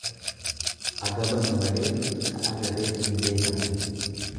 Agabanu malee ka agabeef hin beekanu.